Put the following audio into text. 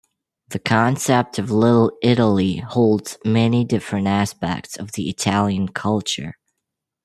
The concept of "Little Italy" holds many different aspects of the Italian culture.